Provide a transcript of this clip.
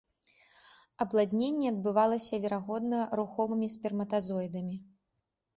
Апладненне адбывалася, верагодна, рухомымі сперматазоідамі.